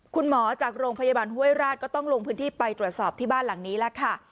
คุณหมอจากโรงพยาบาลห้วยราชก็ต้องลงพื้นที่ไปตรวจสอบที่บ้านหลังนี้แล้วค่ะ